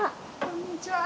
こんにちは。